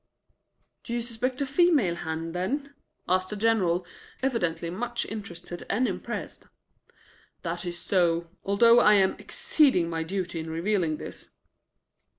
"Do you suspect a female hand, then?" asked the General, evidently much interested and impressed. "That is so, although I am exceeding my duty in revealing this."